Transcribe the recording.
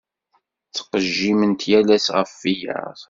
Ttqejjiment yal ass ɣef wiyaḍ.